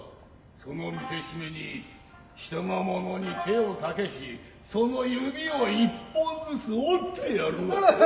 その見せしめに人の物に手をかけしその指を一本ずつ折ってやるわ。